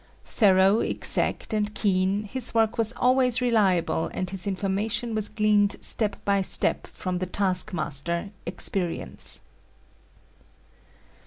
Thorough, exact, and keen, his work was always reliable and his information was gleaned step by step from the task master, experience.